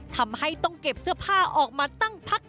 ทำให้ต้องเก็บเสื้อผ้าออกมาตั้งพัก